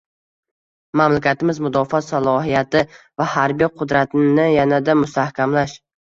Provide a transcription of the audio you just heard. Mamlakatimiz mudofaa salohiyati va harbiy qudratini yanada mustahkamlash